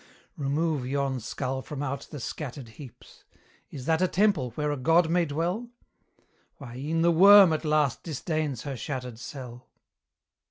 Remove yon skull from out the scattered heaps: Is that a temple where a God may dwell? Why, e'en the worm at last disdains her shattered cell!